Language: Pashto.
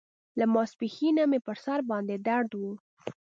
له ماسپښينه مې پر سر باندې درد و.